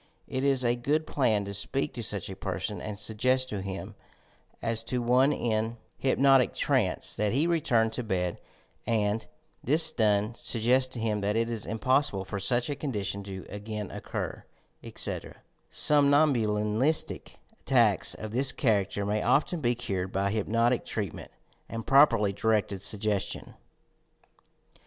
It is a good plan to speak to such a person and suggest to him, as to one in HYPNOTISM AND MESMERISM hj'pnotie trance, that he retuni to bed; and, this done, siiggeRt to him that it is impoasiblp for such a condition to again occur, etc. Somnambulistic attacks of this character may often be cured by hypnotic treatment and properly directed suggestion.